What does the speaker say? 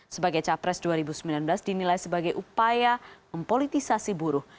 sebagai capres dua ribu sembilan belas dinilai sebagai upaya mempolitisasi buruh